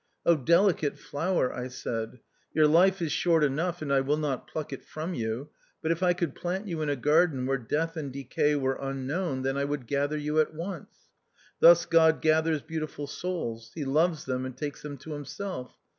" delicate flower," I said, "your life is short enough, and I will not pluck it from you ; but if I could plant you in a garden where death and decay were un known, then I would gather you at once. Thus God gathers beautiful souls ; he loves them and takes them to himself.